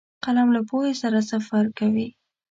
قلم له پوهې سره سفر کوي